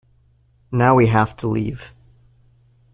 Now we have to leave.